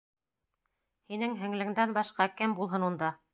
Һинең һеңлеңдән башҡа кем булһын унда?